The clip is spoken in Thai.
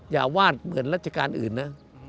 อย่าวาดเหมือนราชการอื่นนะ